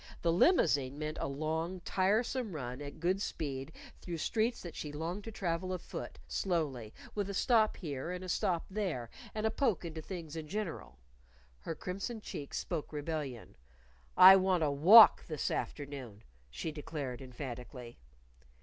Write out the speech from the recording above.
The limousine meant a long, tiresome run at good speed through streets that she longed to travel afoot, slowly, with a stop here and a stop there, and a poke into things in general. Her crimson cheeks spoke rebellion. "I want a walk this afternoon," she declared emphatically.